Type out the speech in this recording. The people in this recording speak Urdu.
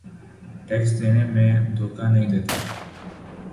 ٹیکس دینے میں دھوکہ نہیں دیتا